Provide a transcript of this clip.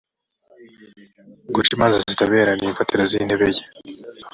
guca imanza zitabera ni imfatiro z’intebe ye